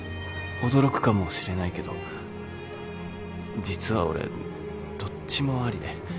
驚くかもしれないけど実は俺どっちもありで。